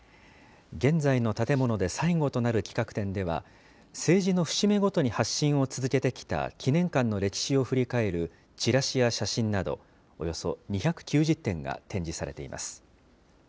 現在の建物で最後となる企画展では、政治の節目ごとに発信を続けてきた記念館の歴史を振り返るチラシや写真など、およそ２９０点が展示されています。